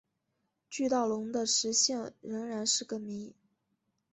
巨盗龙的食性仍然是个谜。